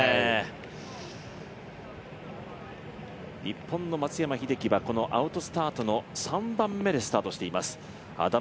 日本の松山英樹は、このアウトスタートの３番目でスタートしています。